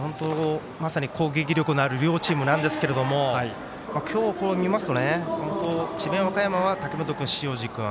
まさに攻撃力のある両チームなんですけど今日、見ますと智弁和歌山は武元君、塩路君。